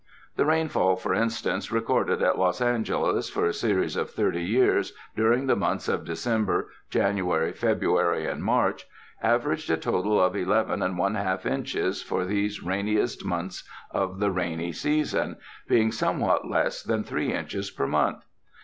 The rainfall, for instance, recorded at Los Angeles for a series of thirty years, during the months of December, January, February and March, averaged a total of eleven and one half inches for these rain iest months of the rainy season, being somewhat less than three inches per month.